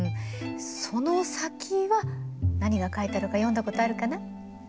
その先は何が書いてあるか読んだことあるかな？